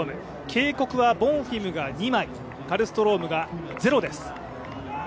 警告はボンフィムが２枚、カルストロームが０です。